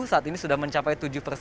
saat ini sudah mencapai tujuh persen